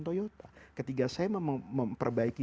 toyota ketika saya memperbaiki